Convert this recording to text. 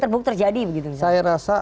terburuk terjadi saya rasa